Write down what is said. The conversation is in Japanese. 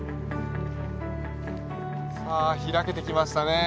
さあ開けてきましたね。